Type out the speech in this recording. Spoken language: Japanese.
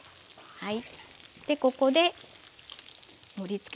はい。